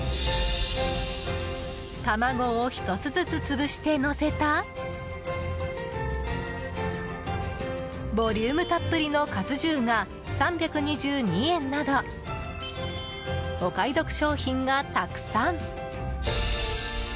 卵を１つずつ潰してのせたボリュームたっぷりのかつ重が３２２円などお買い得商品がたくさん。